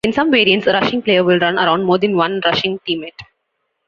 In some variants, a rushing player will run around more than one rushing teammate.